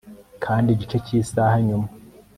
kandi igice cy'isaha nyuma